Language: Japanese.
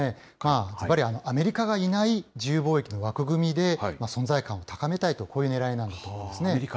ずばり、アメリカがいない自由貿易の枠組みで、存在感を高めたいと、こういうねらいだと思うんですね。